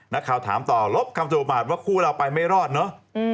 นักข่าวถามต่อลบคำสุประมาทว่าคู่เราไปไม่รอดเนอะ